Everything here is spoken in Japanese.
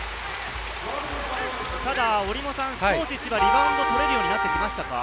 ただ千葉はリバウンドを少し取れるようになってきましたか？